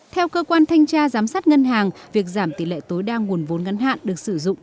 theo cơ quan thanh tra giám sát ngân hàng việc giảm tỷ lệ tối đa nguồn vốn ngắn hạn được sử dụng